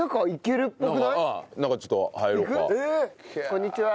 こんにちは。